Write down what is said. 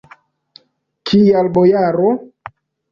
Kial, bojaro?